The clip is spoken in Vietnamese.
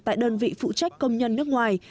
tại đơn vị phụ trách công nhân nước ngoài